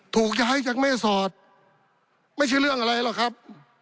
ถูกย้ายจากแม่สอดไม่ใช่เรื่องอะไรหรอกครับ